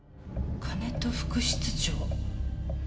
金戸副室長？